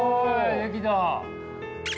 できた！